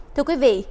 thưa quý vị